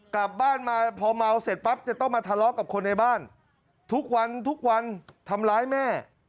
กลับบ้านมาพอเมาเสร็จปั๊บจะต้องมาทะเลาะกับคนในบ้านทุกวันทุกวันทำร้ายแม่